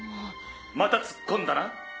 また突っ込んだな？